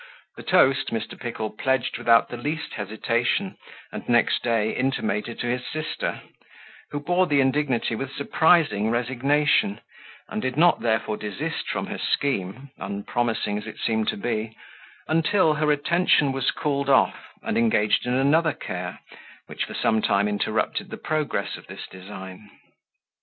The toast Mr. Pickle pledged without the least hesitation, and next day intimated to his sister, who bore the indignity with surprising resignation, and did not therefore desist from her scheme, unpromising as it seemed to be, until her attention was called off, and engaged in another care, which for some time interrupted the progress of this design.